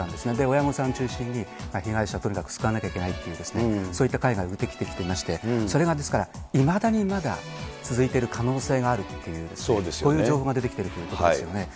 親御さん中心に被害者、とにかく救わなきゃいけないという、そういった会が出来てきていまして、それが、ですから、いまだにまだ続いている可能性があるっていう、こういう情報が出てきているということですよね。